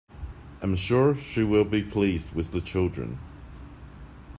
I am sure she will be pleased with the children.